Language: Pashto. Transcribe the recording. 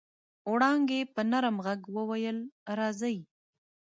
وړانګې په نرم غږ وويل راځئ.